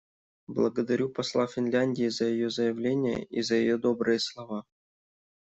Благодарю посла Финляндии за ее заявление и за ее добрые слова.